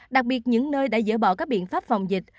đặc biệt những nơi đã dỡ bỏ các biện pháp phòng dịch